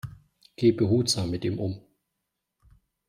Geh behutsam mit ihm um!